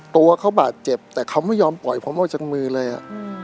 ตัวเขาบาดเจ็บแต่เขาไม่ยอมปล่อยผมออกจากมือเลย